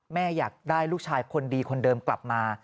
อยากได้ลูกชายคนดีคนเดิมกลับมา